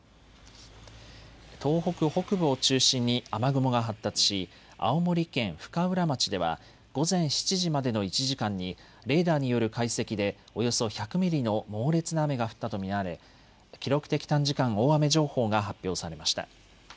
東北北部を中心に雨雲が発達し、青森県深浦町では午前７時までの１時間にレーダーによる解析でおよそ１００ミリの猛烈な雨が降ったと見られ記録的短時間大雨情報が発表されました。